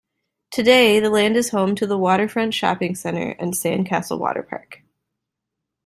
Today the land is home to The Waterfront shopping center and Sandcastle Waterpark.